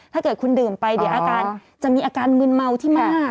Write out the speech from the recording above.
ถ้าเกิดคุณดื่มไปเดี๋ยวอาการจะมีอาการมืนเมาที่มาก